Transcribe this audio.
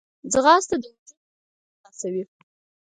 ځغاسته د وجود انرژي خلاصوي